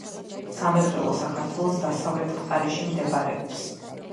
სამეგრელო საქართველოს დასავლეთ მხარეში მდებარეობს